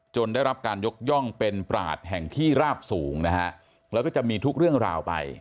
ได้รับการยกย่องเป็นปราศแห่งที่ราบสูงนะฮะแล้วก็จะมีทุกเรื่องราวไป